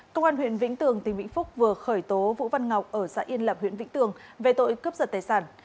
công an huyện vĩnh tường tỉnh vĩnh phúc vừa khởi tố vũ văn ngọc ở xã yên lập huyện vĩnh tường về tội cướp giật tài sản